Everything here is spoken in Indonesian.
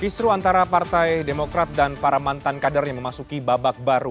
kistru antara partai demokrat dan para mantan kadernya memasuki babak baru